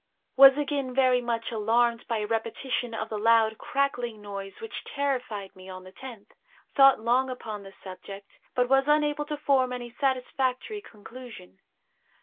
Was again very much alarmed by a repetition of the loud, crackling noise which terrified me on the tenth. Thought long upon the subject, but was unable to form any satisfactory conclusion.